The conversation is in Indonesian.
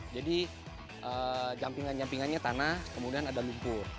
jadi jampingan jampingannya tanah kemudian ada lumpur